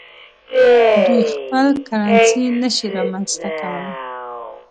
دوی خپل کرنسي نشي رامنځته کولای.